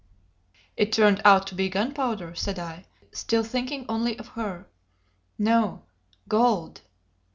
"It turned out to be gunpowder," said I, still thinking only of her. "No gold!"